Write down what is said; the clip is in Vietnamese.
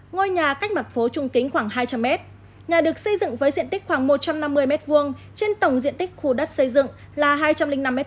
ngôi nhà cách mặt phố trung kính khoảng hai trăm linh m nhà được xây dựng với diện tích khoảng một trăm năm mươi m hai trên tổng diện tích khu đất xây dựng là hai trăm linh năm m hai